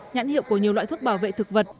nhãn hiệu của nhiều loại thuốc bảo vệ thực vật